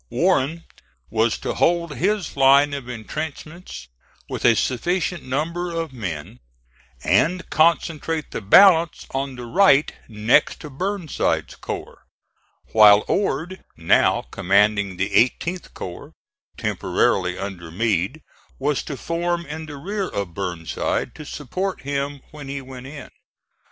Warren was to hold his line of intrenchments with a sufficient number of men and concentrate the balance on the right next to Burnside's corps, while Ord, now commanding the 18th corps, temporarily under Meade, was to form in the rear of Burnside to support him when he went in.